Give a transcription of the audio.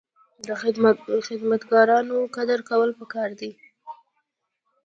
د خدمتګارانو قدر کول پکار دي.